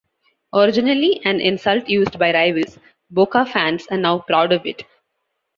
Originally an insult used by rivals, Boca fans are now proud of it.